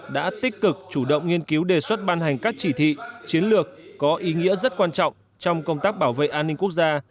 đã tích cực chủ động nghiên cứu đề xuất ban hành các chỉ thị chiến lược có ý nghĩa rất quan trọng trong công tác bảo vệ an ninh quốc gia